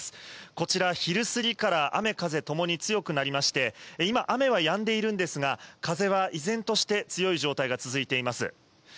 こちら、昼過ぎから雨風ともに強くなりまして、今、雨はやんでいるんですが、風は依然として強い状態が続いています。